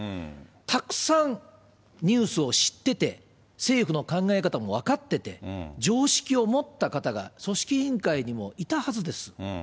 たくさんニュースを知ってて、政府の考え方も分かってて、常識を持った方が組織委員会にもいたはずです。